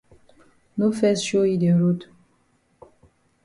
No fes show yi de road.